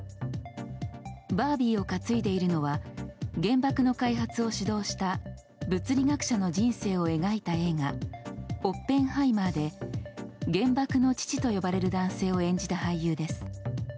バービーを担いでいるのは原爆の開発を主導した物理学者の人生を描いた映画「オッペンハイマー」で原爆の父と呼ばれる男性を演じた俳優です。